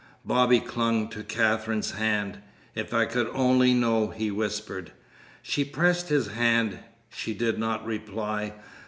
Bobby clung to Katherine's hand. "If I could only know!" he whispered. She pressed his hand. She did not reply.